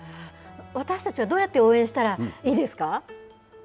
私たちはどうやって応援したらいいですか？